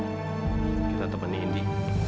kita temani indi